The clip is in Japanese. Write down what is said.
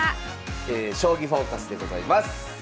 「将棋フォーカス」でございます。